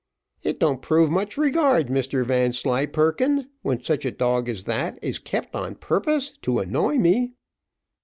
It don't prove much regard, Mr Vanslyperken, when such a dog as that is kept on purpose to annoy me."